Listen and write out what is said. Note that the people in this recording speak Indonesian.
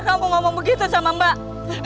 tega ya kamu ngomong begitu sama mbak